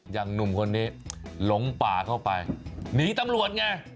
หนุ่มคนนี้หลงป่าเข้าไปหนีตำรวจไง